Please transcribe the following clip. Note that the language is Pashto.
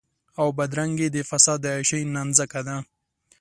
او بدرنګي د فساد د عياشۍ نانځکه ده.